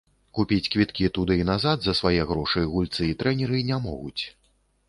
Купіць квіткі туды і назад за свае грошы гульцы і трэнеры не могуць.